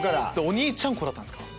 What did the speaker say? お兄ちゃん子だったんですか？